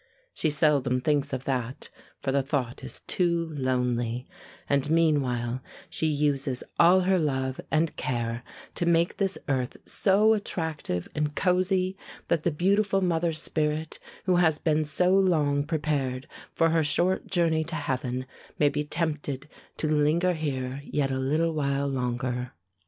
She seldom thinks of that, for the thought is too lonely, and, meanwhile, she uses all her love and care to make this earth so attractive and cozy that the beautiful mother spirit who has been so long prepared for her short journey to heaven may be tempted to linger here yet a little while longer.